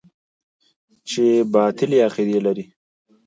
چې باطلې عقيدې لري.